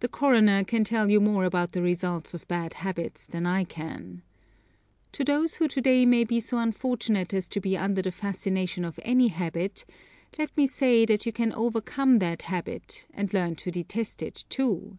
The coroner can tell you more about the results of bad habits than I can. To those who to day may be so unfortunate as to be under the fascination of any habit, let me say that you can overcome that habit, and learn to detest it, too.